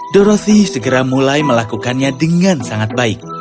dorossi segera mulai melakukannya dengan sangat baik